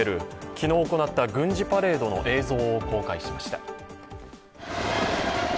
昨日行った軍事パレードの映像を公開しました。